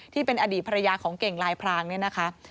ที่เป็นอดีตภรรยาของเก่งลายพรางเนี่ยนะคะ